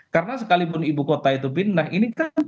karena sekalipun ibu kota itu itu adalah pusat yang paling banyak disorot